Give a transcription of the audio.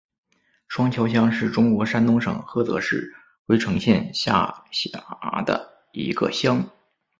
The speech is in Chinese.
双桥乡是中国山东省菏泽市郓城县下辖的一个乡。